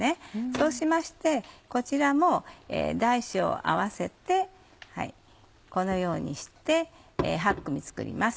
そうしましてこちらも大小合わせてこのようにして８組作ります。